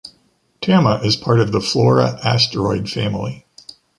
Tama is part of the Flora asteroid family.